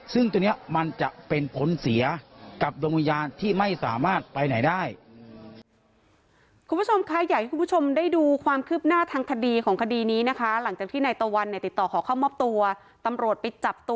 ซึ่งตัวนี้มันจะเป็นผลเสียกับดวงวิญญาณที่ไม่สามารถไปไหนได้